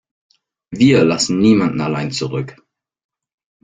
Wir lassen niemanden allein zurück.